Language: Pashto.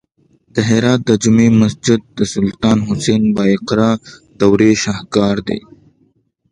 د هرات د جمعې مسجد د سلطان حسین بایقرا دورې شاهکار دی